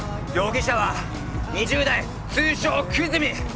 容疑者は２０代通称・久住！